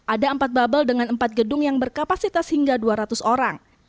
ada empat bubble dengan empat gedung yang berkapasitas hingga dua ratus orang